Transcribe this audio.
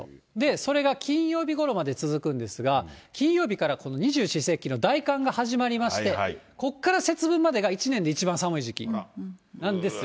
それが金曜日ごろまで続くんですが、金曜日からこの二十四節気の大寒が始まりまして、こっから節分までが一年で一番寒い時期なんですよ。